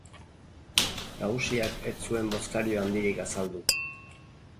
Nagusiak ez zuen bozkario handirik azaldu.